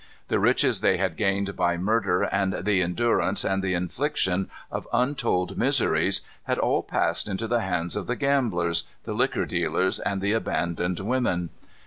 The riches they had gained by murder and the endurance and the infliction of untold miseries, had all passed into the hands of the gamblers, the liquor dealers, and the abandoned women.